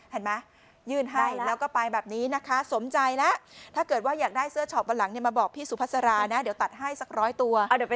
เห็นไหมยื่นให้แล้วก็ไปแบบนี้นะคะสมใจแล้วถ้าเกิดว่าอยากได้เสื้อช็อปวันหลังเนี่ยมาบอกพี่สุภาษานะเดี๋ยวตัดให้สักร้อยตัว